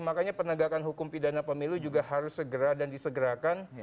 makanya penegakan hukum pidana pemilu juga harus segera dan disegerakan